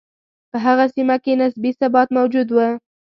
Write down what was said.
په هغه سیمه کې نسبي ثبات موجود و.